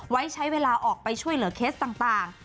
ไว้ใช้เวลาออกไปช่วยเหลือเคสต่าง